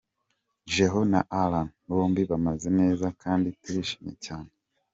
Geo na Alana bombi bameze neza kandi turishimye cyane.